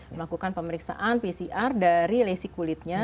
melakukan pemeriksaan pcr dari lesi kulitnya